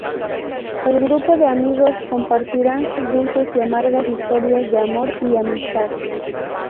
El grupo de amigos compartirán sus dulces y amargas historias de amor y amistad.